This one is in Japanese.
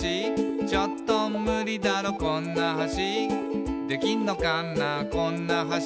「ちょっとムリだろこんな橋」「できんのかなこんな橋」